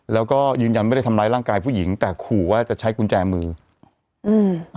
แล้วก็ยืนยันไม่ได้ทำร้ายร่างกายผู้หญิงแต่ขู่ว่าจะใช้กุญแจมืออืม